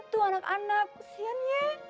tuh anak anak kesiannya